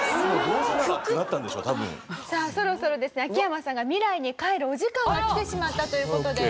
さあそろそろですね秋山さんが未来に帰るお時間がきてしまったという事で。